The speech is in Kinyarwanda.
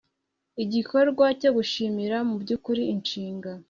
igikorwa cyo gushimira mubyukuri inshinga